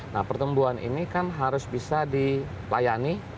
nah pertumbuhan ini kan harus bisa dilayani